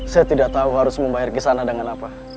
saya tidak tahu harus membayar kisah anak dengan apa